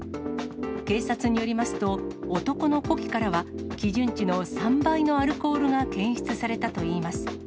警察によりますと、男の呼気からは、基準値の３倍のアルコールが検出されたといいます。